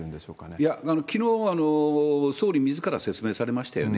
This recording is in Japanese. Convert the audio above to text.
いや、きのう、総理みずから説明されましたよね。